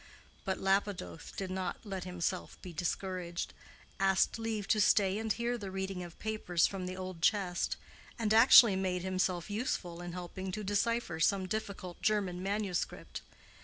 But Lapidoth did not let himself be discouraged, asked leave to stay and hear the reading of papers from the old chest, and actually made himself useful in helping to decipher some difficult German manuscript.